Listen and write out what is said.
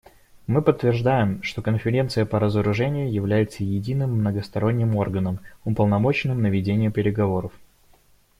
Мы подтверждаем, что Конференция по разоружению является единым многосторонним органом, уполномоченным на ведение переговоров.